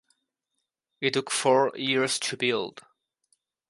It took four years to build.